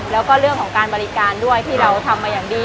แล้วก็เรื่องของการบริการด้วยที่เราทำมาอย่างดี